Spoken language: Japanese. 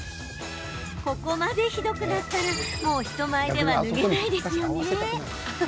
ここまでひどくなったらもう人前では脱げないですよね。